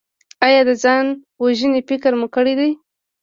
ایا د ځان وژنې فکر مو کړی دی؟